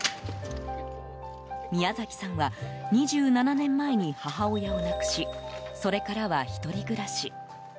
宮崎さんは２７年前に母親を亡くしそれからは１人暮らし。